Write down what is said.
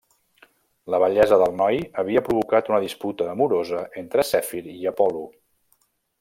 La bellesa del noi havia provocat una disputa amorosa entre Zèfir i Apol·lo.